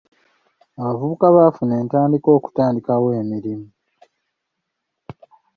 Abavubuka baafuna entandikwa okutandikawo emirimu